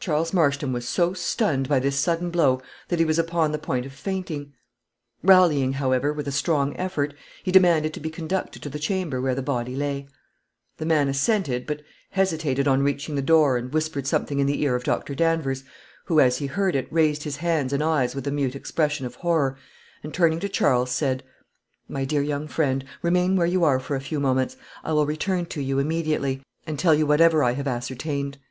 Charles Marston was so stunned by this sudden blow, that he was upon the point of fainting. Rallying, however, with a strong effort, he demanded to be conducted to the chamber where the body lay. The man assented, but hesitated on reaching the door, and whispered something in the ear of Doctor Danvers, who, as he heard it, raised his hands and eyes with a mute expression of horror, and turning to Charles, said "My dear young friend, remain where you are for a few moments. I will return to you immediately, and tell you whatever I have ascertained.